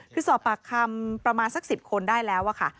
คือสอบปากคำประมาณสัก๑๐คนได้แล้วค่ะ